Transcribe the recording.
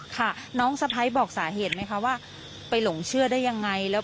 ค่ะน้องสะพ้ายบอกสาเหตุไหมคะว่าไปหลงเชื่อได้ยังไงแล้ว